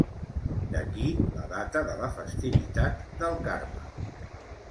D'aquí la data de la festivitat del Carme.